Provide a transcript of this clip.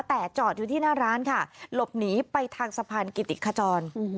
แต่จอดอยู่ที่หน้าร้านค่ะหลบหนีไปทางสะพานกิติขจร